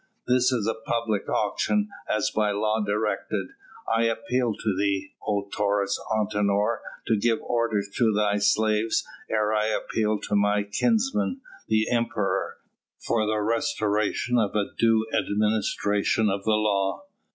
This is a public auction as by law directed. I appeal to thee, oh Taurus Antinor, to give orders to thy slaves, ere I appeal to my kinsman, the Emperor, for the restoration of a due administration of the law."